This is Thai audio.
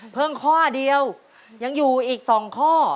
ข้อเดียวยังอยู่อีก๒ข้อ